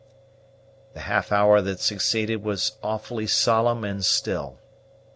The half hour that succeeded was awfully solemn and still.